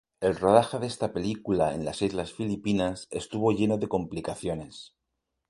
El rodaje de esta película en las Islas Filipinas estuvo lleno de complicaciones.